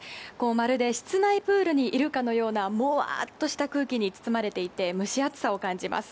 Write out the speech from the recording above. まるで室内プールにいるかのようなもわーっとした空気に包まれていて蒸し暑さを感じます。